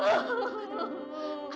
kak kakak terserah